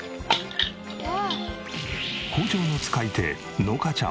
包丁の使い手のかちゃんは。